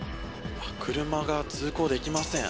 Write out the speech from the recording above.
車が通行できません。